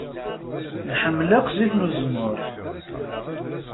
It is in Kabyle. Nḥemmel akk zzit n uzemmur.